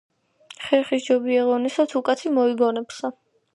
"ხერხი სჯობია ღონესა, თუ კაცი მოიგონებსა"